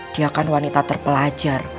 dia kan wanita terpelajar